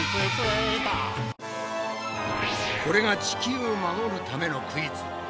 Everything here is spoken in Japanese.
これが地球を守るためのクイズ。